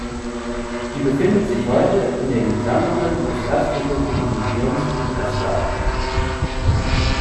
Sie befindet sich heute in den Sammlungen des erzbischöflichen Museums in Breslau.